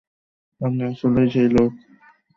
আপনি আসলেই সেই লোক!